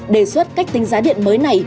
đề xuất cách tính giá điện mới này